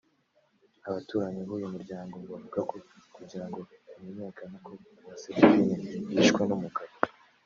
Abaturanyi b’ uyu muryango bavuga ko kugira ngo bimenyekane ko Uwase Divine yishwe n’ umugabo